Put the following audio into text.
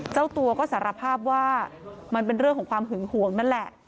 เจ้าตัวก็สารภาพว่ามันเป็นเรื่องของความหึงหวงนั่นแหละ